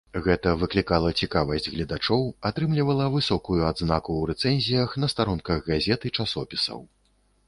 Гэта выклікала цікавасць гледачоў, атрымлівала высокую адзнаку ў рэцэнзіях на старонках газет і часопісаў.